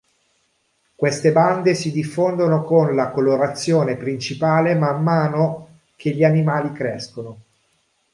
Queste bande si fondono con la colorazione principale man mano che gli animali crescono.